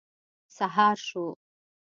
سهار شو.